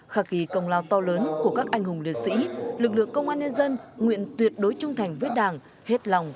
khả kỳ công lao to lớn của các anh hùng liệt sĩ lực lượng công an nhân dân nguyện tuyệt đối trung thành với đảng hết lòng